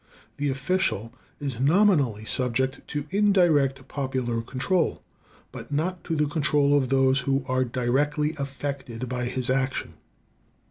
The official is nominally subject to indirect popular control, but not to the control of those who are directly affected by his action.